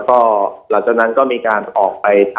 วันนี้แม่ช่วยเงินมากกว่า